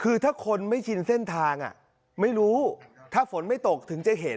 คือถ้าคนไม่ชินเส้นทางไม่รู้ถ้าฝนไม่ตกถึงจะเห็น